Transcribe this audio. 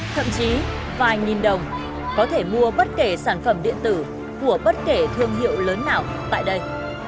thậm chí vài nghìn đồng có thể mua bất kể sản phẩm điện tử của bất kể thương hiệu lớn nào tại đây